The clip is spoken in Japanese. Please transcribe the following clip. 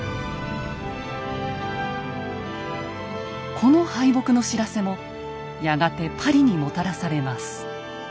この敗北の知らせもやがてパリにもたらされます。